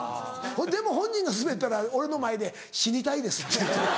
でも本人がスベったら俺の前で「死にたいです」って言うてた。